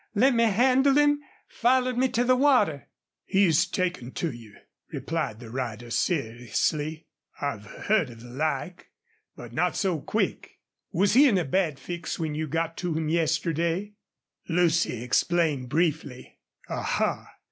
Let me handle him. Followed me to water." "He's taken to you," replied the rider, seriously. "I've heard of the like, but not so quick. Was he in a bad fix when you got to him yesterday?" Lucy explained briefly. "Aha!